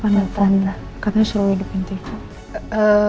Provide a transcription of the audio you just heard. mas tadi papa nonton katanya suruh hidupin tika